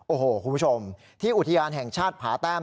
โอ้โหคุณผู้ชมที่อุทยานแห่งชาติผาแต้ม